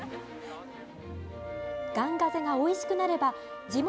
ガンガゼがおいしくなれば、地元